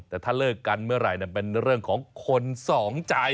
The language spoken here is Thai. แต่ถ้าเลิกกันเมื่อไหร่เป็นเรื่องของคนสองใจ